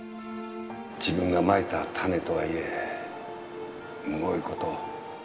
自分がまいた種とはいえむごい事を。